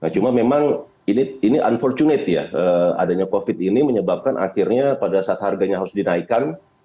cuma memang ini unfortunate ya adanya covid ini menyebabkan akhirnya pada saat harganya harus dinaikkan